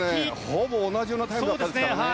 ほぼ同じようなタイムでしたからね。